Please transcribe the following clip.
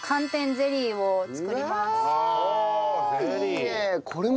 いいね。